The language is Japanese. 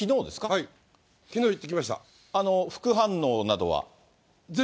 はい、副反応などは？